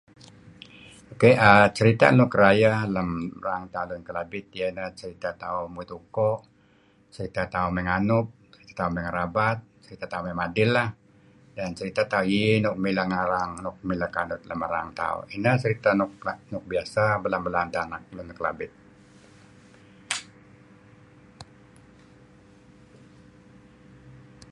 Ok, ceritah nuk rayeh lem erang tauh lun Kelabit iyeh neh ceritah tauh muit uko, ceritah tauh mey nganut, tauh mey ngerabat, tauh mey madil leh, neh ceritah tauh iih nuk mileh ngarang mileh kanut lem erang tauh. Ineh ceritah nuk biasa belaan-belaan deh lun Kelabit.